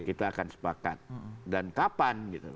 kita akan sepakat dan kapan gitu